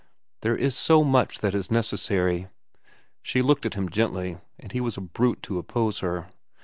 "There is so much that is necessary." She looked at him gently, and he was a brute to oppose her.